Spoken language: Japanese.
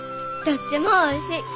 どっちもおいしい。